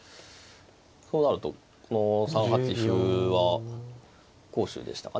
そうなるとこの３八歩は好手でしたかね。